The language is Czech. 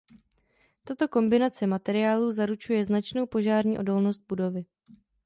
Tato kombinace materiálů zaručuje značnou požární odolnost budovy.